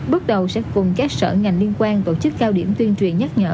bước đầu sẽ cùng các sở ngành liên quan tổ chức cao điểm tuyên truyền nhắc nhở